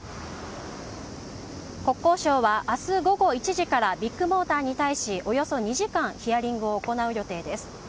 国交省は明日午後１時からビッグモーターに対しおよそ２時間ヒアリングを行う予定です。